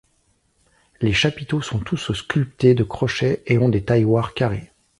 Les chapiteaux sont tous sculptés de crochets, et ont des tailloirs carrés.